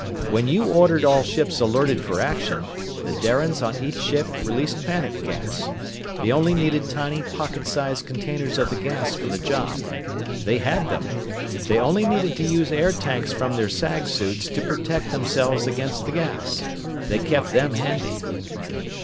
"When you ordered all ships alerted for action, the Darians on each ship released panic gas. They only needed tiny, pocket sized containers of the gas for the job. They had them. They only needed to use air tanks from their sag suits to protect themselves against the gas. They kept them handy.